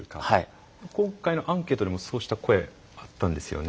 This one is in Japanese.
今回のアンケートでもそうした声あったんですよね